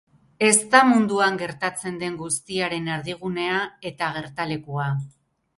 Ez da munduan gertatzen den guztiaren erdigunea eta gertalekua.